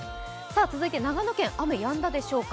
続いて長野県、雨、やんだでしょうか。